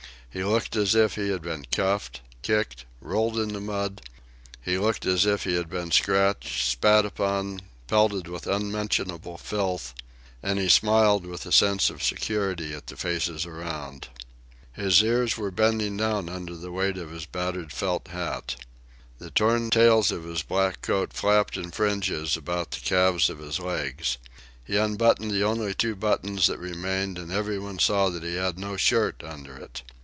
He looked as if he had been cuffed, kicked, rolled in the mud; he looked as if he had been scratched, spat upon, pelted with unmentionable filth... and he smiled with a sense of security at the faces around. His ears were bending down under the weight of his battered felt hat. The torn tails of his black coat flapped in fringes about the calves of his legs. He unbuttoned the only two buttons that remained and every one saw that he had no shirt under it.